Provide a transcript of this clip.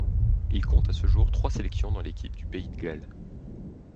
Il compte à ce jour trois sélections dans l'équipe du pays de Galles.